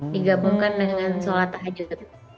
digabungkan dengan sholat tahajud